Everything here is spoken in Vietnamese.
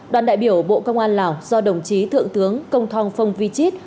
đoàn đại biểu bộ công an lào do đồng chí thượng tướng công thong phong vi chít